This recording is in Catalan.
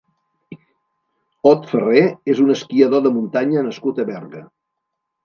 Ot Ferrer és un esquiador de muntanya nascut a Berga.